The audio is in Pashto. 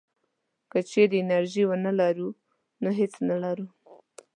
که چېرې انرژي ونه لرو نو هېڅ نه لرو.